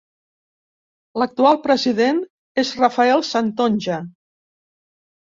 L'actual president és Rafael Santonja.